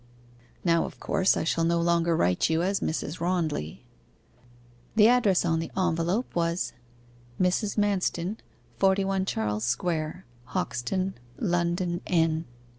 'Now, of course, I shall no longer write to you as Mrs. Rondley.' The address on the envelope was MRS. MANSTON, 41 CHARLES SQUARE, HOXTON, LONDON, N.